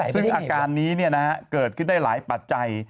ซึ่งอาการนี้เกิดขึ้นได้หลายปัจจัย